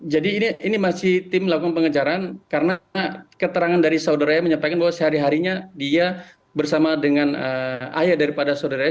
jadi ini masih tim melakukan pengejaran karena keterangan dari saudara e menyampaikan bahwa sehari harinya dia bersama dengan ayah daripada saudara e